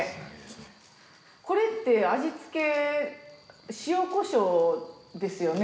これって味付け塩コショウですよね？